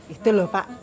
itu loh pak